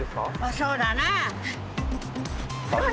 そうだなあ。